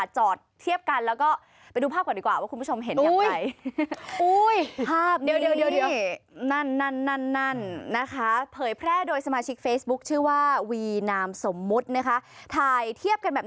ใช่